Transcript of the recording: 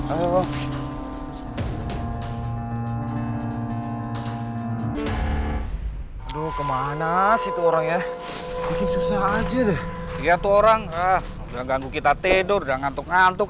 aduh kemana sih orangnya susah aja deh lihat orang ah udah ganggu kita tidur dan ngantuk ngantuk